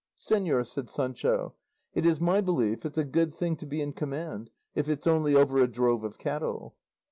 "Señor," said Sancho, "it is my belief it's a good thing to be in command, if it's only over a drove of cattle."